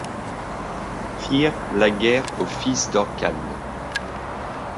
Firent la guerre aux fils d’Orcan